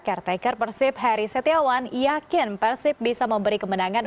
caretaker persib harry setiawan yakin persib bisa memberi kemenangan